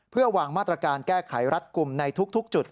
เพื่อวางมาตรการแก้ไขรัดกลุ่มในทุกจุด